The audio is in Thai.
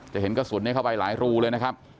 จะเห็นกระสุนเข้าไปหลายรูเลย